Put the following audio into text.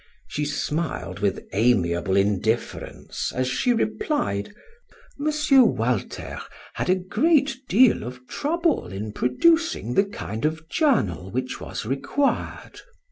She smiled with amiable indifference as she replied: "M. Walter had a great deal of trouble in producing the kind of journal which was required."